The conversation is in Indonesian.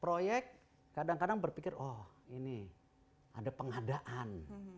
proyek kadang kadang berpikir oh ini ada pengadaan